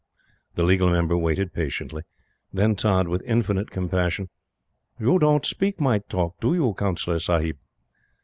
The Legal Member waited patiently. Then Tods, with infinite compassion: "You don't speak my talk, do you, Councillor Sahib?"